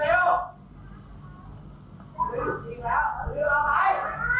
เอาให้